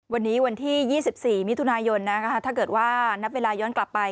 วันนี้วันที่๒๔มิถุนายนถ้าเกิดว่านับเวลาย้อนกลับไป